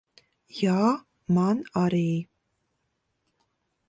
Jā, man arī.